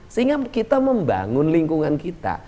sehingga kita membangun lingkungan kita